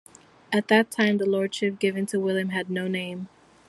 At that time, the lordship given to William had no name.